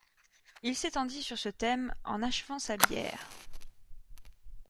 Il s'étendit sur ce thème, en achevant sa bière.